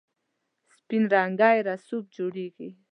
سپین رنګی رسوب جوړیږي.